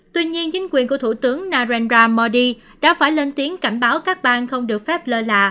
tuy nhiên chính quyền của thủ tướng narendra modi đã phải lên tiếng cảnh báo các bang không được phép lơ là